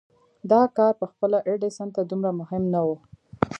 دا کار خپله ايډېسن ته دومره مهم نه و.